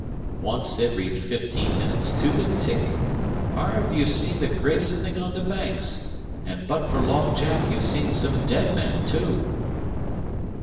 "Once ivry fifteen minutes, to the tick. Harve, you've seen the greatest thing on the Banks; an' but for Long Jack you'd seen some dead men too."